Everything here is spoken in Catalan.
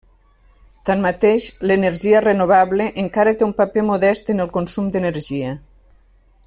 Tanmateix, l'energia renovable encara té un paper modest en el consum d'energia.